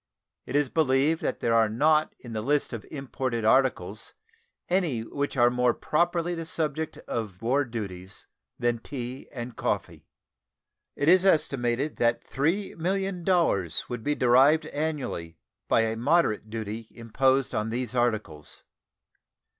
It is believed that there are not in the list of imported articles any which are more properly the subject of war duties than tea and coffee. It is estimated that $3,000,000 would be derived annually by a moderate duty imposed on these articles.